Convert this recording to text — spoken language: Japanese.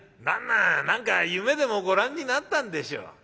旦那何か夢でもご覧になったんでしょう。